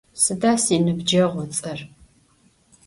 Sıda sinıbceğu ıts'er?